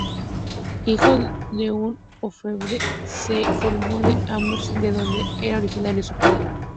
Hijo de un orfebre, se formó en Amberes de donde era originario su padre.